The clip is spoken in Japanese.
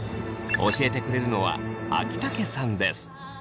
教えてくれるのは秋竹さんです。